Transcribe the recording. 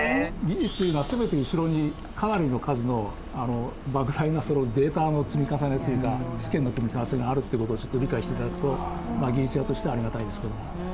技術というのは全て後ろにかなりの数のばく大なそのデータの積み重ねというか試験の積み重ねがあるって事をちょっと理解して頂くと技術屋としてはありがたいですけども。